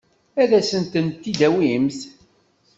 Ad asent-tent-id-tawimt?